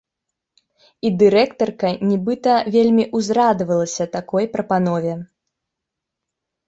І дырэктарка нібыта вельмі ўзрадавалася такой прапанове.